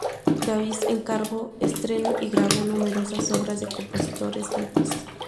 Davies encargó, estrenó y grabó numerosas obras de compositores vivos.